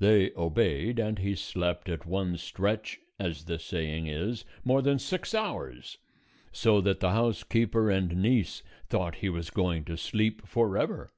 They obeyed, and he slept at one stretch, as the saying is, more than six hours, so that the housekeeper and niece thought he was going to sleep forever.